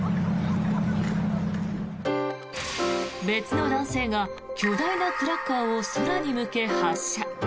別の男性が巨大なクラッカーを空に向け発射。